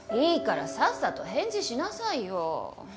いいからさっさと返事しなさいよ。